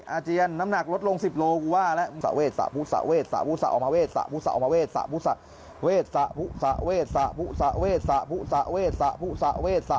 อาจะยังน้ำหนักลดลง๑๐กิโลกรัมกูว่าแล้ว